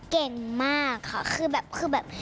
เก่งมากค่ะคือแบบ